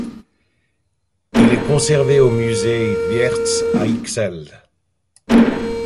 Il est conservé au Musée Wiertz à Ixelles.